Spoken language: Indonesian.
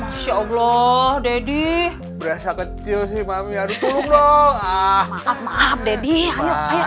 masya allah deddy berasa kecil sih mami aduh tolong dong ah maaf maaf deddy ayo